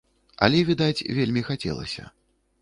Але, відаць, вельмі хацелася.